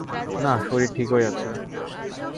না, শরীর ঠিকই আছে।